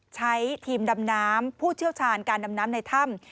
ใช้ทีมดำน้ำผู้เชี่ยวชาญการดำน้ำในถ้ำ